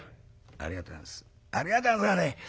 「ありがとうございます。